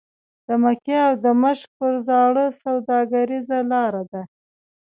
د مکې او دمشق پر زاړه سوداګریزه لاره ده.